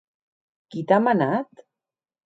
Qui t’a manat?